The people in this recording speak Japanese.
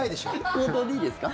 口頭でいいですか？